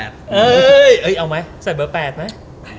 เอาไหมใส่เบอร์๘ไหม